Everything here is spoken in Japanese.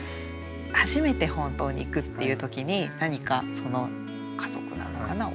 初めて本当に行くっていう時に何かその家族なのかな？